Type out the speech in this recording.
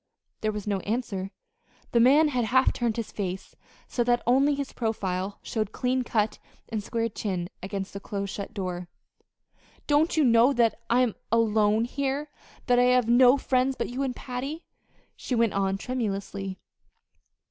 There was no answer. The man had half turned his face so that only his profile showed clean cut and square chinned against the close shut door. "Don't you know that I am alone here that I have no friends but you and Patty?" she went on tremulously.